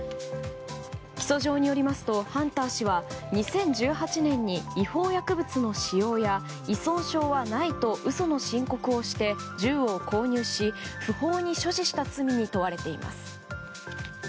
起訴状によりますとハンター氏は２０１８年に違法薬物の使用や依存症はないと嘘の申告をして銃を購入し、不法に所持した罪に問われています。